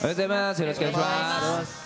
よろしくお願いします。